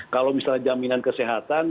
kalau misalnya jaminan kesehatan